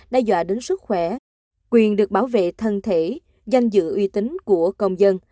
đe dọa đến sức khỏe quyền được bảo vệ thân thể danh dự uy tín của công dân